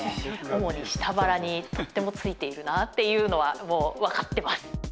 主に下腹にとてもついているなっていうのはもうわかってます。